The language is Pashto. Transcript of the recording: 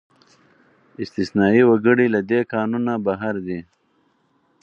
استثنايي وګړي له دې قانونه بهر دي.